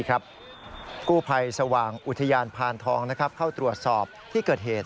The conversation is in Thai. กู้ภัยสว่างอุทยานพานทองเข้าตรวจสอบที่เกิดเหตุ